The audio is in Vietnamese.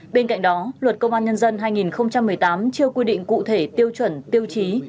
bên cạnh đó luật công an nhân dân hai nghìn một mươi tám chưa quy định cụ thể tiêu chuẩn tiêu chí